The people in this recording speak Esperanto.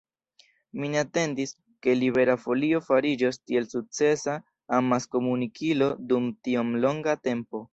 Mi ne atendis, ke Libera Folio fariĝos tiel sukcesa amaskomunikilo dum tiom longa tempo.